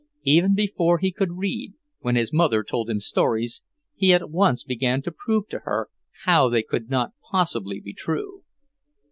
Even before he could read, when his mother told him stories, he at once began to prove to her how they could not possibly be true.